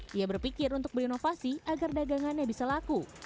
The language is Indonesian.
dia berpikir untuk berinovasi agar dagangannya bisa laku